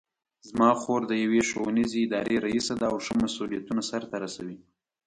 زما خور د یوې ښوونیزې ادارې ریسه ده او ښه مسؤلیتونه سرته رسوي